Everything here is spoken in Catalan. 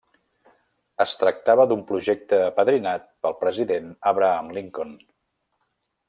Es tractava d'un projecte apadrinat pel president Abraham Lincoln.